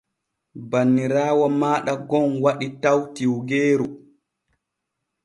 Banniraawo maaɗa gon waɗi taw tiwgeeru.